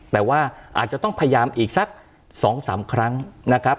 แต่ว่าอาจจะต้องพยายามอีกสัก๒๓ครั้งนะครับ